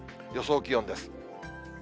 予想気温です。